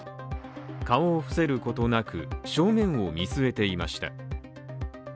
顔を伏せることなく、正面を見据えていました。